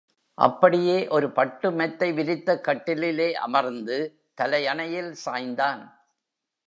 அப்படியே ஒரு பட்டு மெத்தை விரித்த கட்டிலிலே அமர்ந்து தலையணையில் சாய்ந்தான்.